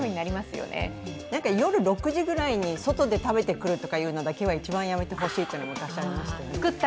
夜６時ぐらいに外で食べてくるってのは一番やめてほしいというのもありますよね。